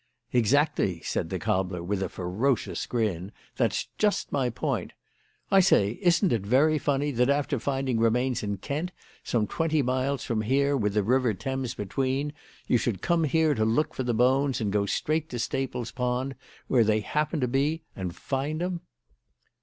"Exactly," said the cobbler, with a ferocious grin, "that's just my point. I say, isn't it very funny that, after finding remains in Kent some twenty miles from here with the River Thames between, you should come here to look for the bones and go straight to Staple's Pond, where they happen to be and find 'em?"